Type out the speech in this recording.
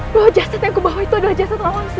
bahwa jasad yang aku bawa itu adalah jasad nawangsi